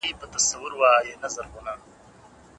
دا ملي فریضه په درنښت ادا کېږي